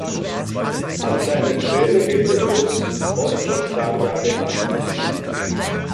An seiner Quelle wird der Fluss "Mostchokh-Darja" genannt.